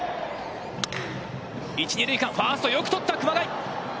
一・二塁間、ファーストよく捕った熊谷。